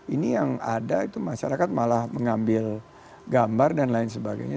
ini yang ada itu masyarakat malah mengambil gambar dan lain sebagainya